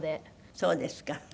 そうですか。